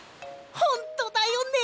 ほんとだよね！